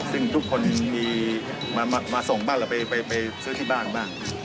ซึ่งทุกคนมีมาส่งบ้างเราไปซื้อที่บ้านบ้าง